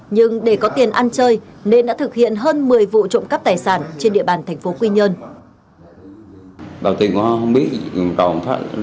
nhưng để có tiền ăn chơi nên đã thực hiện hơn một mươi vụ trộm cắp tài sản trên địa bàn thành phố quy nhơn